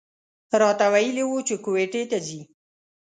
راته ویلي و چې کویټې ته ځي.